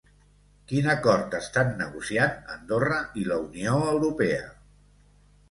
Quin acord estan negociant Andorra i la Unió Europea?